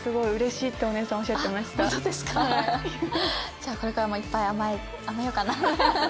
じゃあこれからもいっぱい甘えようかな。